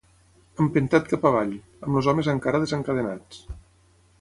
Empentat cap avall, amb els homes encara desencadenats.